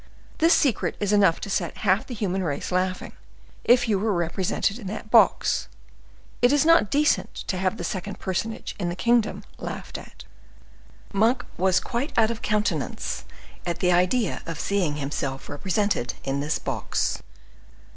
This secret is enough to set half the human race laughing, if you were represented in that box. It is not decent to have the second personage in the kingdom laughed at." Monk was quite out of countenance at the idea of seeing himself represented in this box.